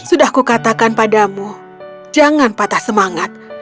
sudah kukatakan padamu jangan patah semangat